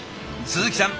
鈴木さん。